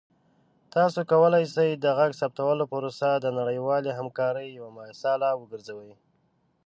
تاسو کولی شئ د غږ ثبتولو پروسه د نړیوالې همکارۍ یوه مثاله وګرځوئ.